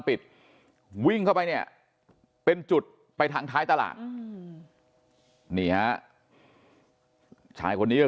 ปิดวิ่งเข้าไปเนี่ยเป็นจุดไปทางท้ายตลาดนี่ฮะชายคนนี้ก็